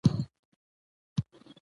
بيا به يې چې وټاکلې